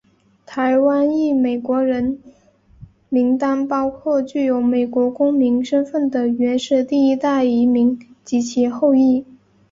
台湾裔美国人名单包括具有美国公民身份的原始第一代移民及其后裔。